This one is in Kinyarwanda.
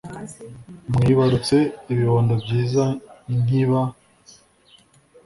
mwibarutse ibibondo byiza nkiba